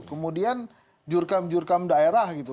kemudian jurkam jurkam daerah gitu